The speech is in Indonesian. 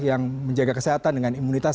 yang menjaga kesehatan dengan imunitas